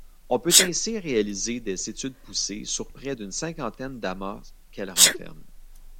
On peut ainsi réaliser des études poussées sur près d'une cinquantaine d'amas qu'elle renferme.